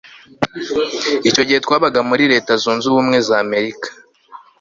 icyo gihe twabaga muri leta zunze ubumwe z'amerika